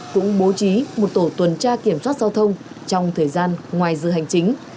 cũng bố trí một tổ tuần tra kiểm soát giao thông trong thời gian ngoài giờ hành chính